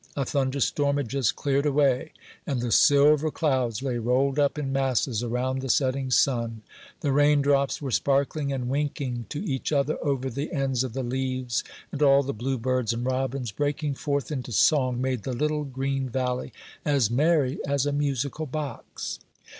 A thunder storm had just cleared away, and the silver clouds lay rolled up in masses around the setting sun; the rain drops were sparkling and winking to each other over the ends of the leaves, and all the bluebirds and robins, breaking forth into song, made the little green valley as merry as a musical box.